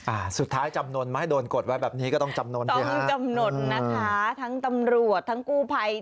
ะสุดท้ายจำนวนไม่โดนกดไว้แบบนี้ก็ต้องจำนวนด้วยฮะกำหนดนะคะทั้งตำรวจทั้งกู้พัย